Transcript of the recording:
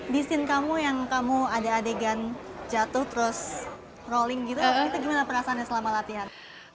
di scene kamu yang kamu ada adegan jatuh terus rolling gitu itu gimana perasaannya selama latihan